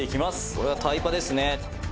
これはタイパですね」